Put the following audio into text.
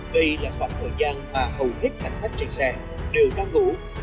đây là khoảng thời gian mà hầu hết hành khách trên xe đều đang ngủ